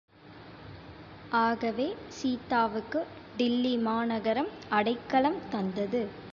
ஆகவே சீதாவுக்கு டில்லிமாநகரம் அடைக்கலம் தந்தது!